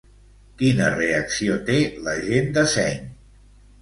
Quina reacció té la gent de seny?